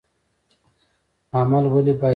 عمل ولې باید نیک وي؟